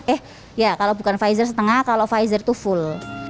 eh ya kalau bukan pfizer setengah kalau pfizer itu full